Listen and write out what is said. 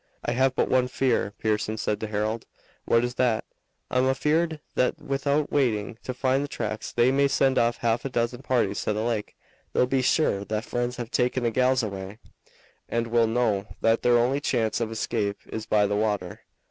"I have but one fear," Pearson said to Harold. "What is that?" "I'm afeared that without waiting to find the tracks they may send off half a dozen parties to the lake. They'll be sure that friends have taken the gals away, and will know that their only chance of escape is by the water.